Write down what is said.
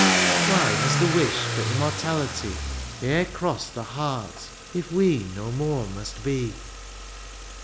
" Why has the wish for immortality ." E'er crossed the heart if we no more must be